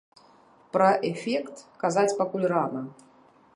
Пра эфект казаць пакуль рана.